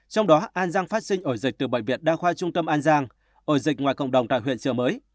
trong đó an giang phát sinh ổ dịch từ bệnh viện đa khoa trung tâm an giang ổ dịch ngoài cộng đồng tại huyện trợ mới